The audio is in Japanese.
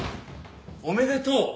おめでとう！